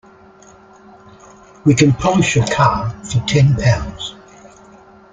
We can polish your car for ten pounds.